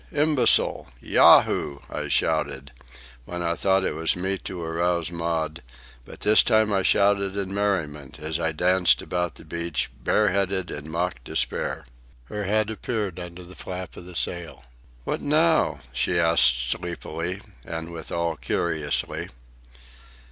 Imbecile! Yahoo!" I shouted, when I thought it was meet to arouse Maud; but this time I shouted in merriment as I danced about the beach, bareheaded, in mock despair. Her head appeared under the flap of the sail. "What now?" she asked sleepily, and, withal, curiously.